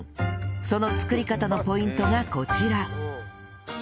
その作り方のポイントがこちら